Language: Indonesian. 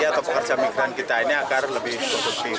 atau pekerja migran kita ini agar lebih produktif